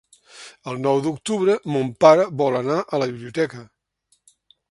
El nou d'octubre mon pare vol anar a la biblioteca.